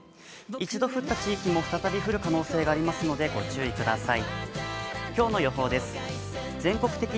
一度降った地域も再び降る可能性があるのでご注意ください。